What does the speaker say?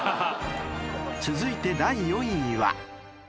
［続いて第４位は］